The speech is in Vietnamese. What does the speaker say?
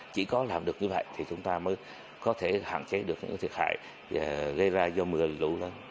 chỉ có làm được như vậy thì chúng ta mới có thể hạn chế được những thiệt hại gây ra do mưa lũ lên